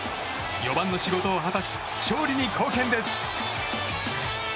４番の仕事を果たし勝利に貢献です。